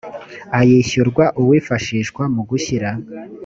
ayishyurwa uwifashishwa mu gushyira